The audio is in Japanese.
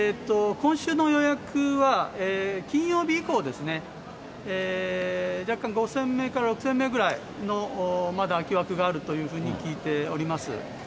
今週の予約は、金曜日以降ですね、若干５０００名から６０００名ぐらいのまだ空き枠があるというふうに聞いております。